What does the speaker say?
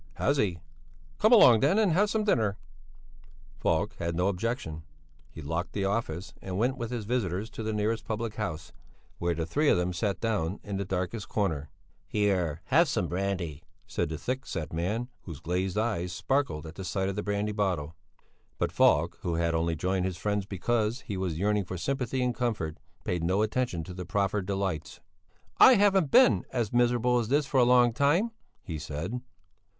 "Has he? Come along then and have some dinner." Falk had no objection; he locked the office and went with his visitors to the nearest public house, where the three of them sat down in the darkest corner. "Here, have some brandy," said the thick set man, whose glazed eyes sparkled at the sight of the brandy bottle. But Falk who had only joined his friends because he was yearning for sympathy and comfort, paid no attention to the proffered delights. "I haven't been as miserable as this for a long time," he said.